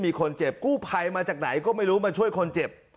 มีคนเจ็บกู้ภัยมาจากไหนก็ไม่รู้มาช่วยคนเจ็บ